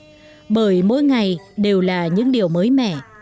nhiều người mỗi ngày đều là những điều mới mẻ